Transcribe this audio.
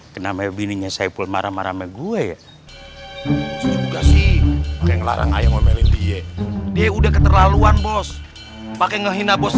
kenapa bininya saya pulmiar sama gue